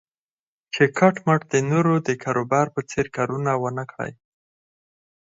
چې کټ مټ د نورو د کاروبار په څېر کارونه و نه کړي.